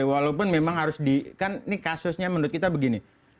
walaupun memang harus di kan ini kasusnya menurut kita begini